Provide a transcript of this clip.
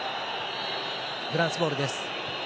フランスボールです。